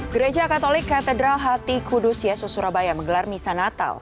gereja katolik katedral hati kudus yesus surabaya menggelar misa natal